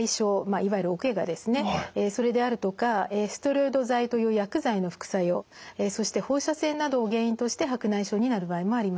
いわゆるおけがですねそれであるとかステロイド剤という薬剤の副作用そして放射線などを原因として白内障になる場合もあります。